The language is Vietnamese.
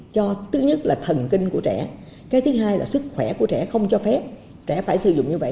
cho thứ nhất là thần kinh của trẻ cái thứ hai là sức khỏe của trẻ không cho phép trẻ phải sử dụng như vậy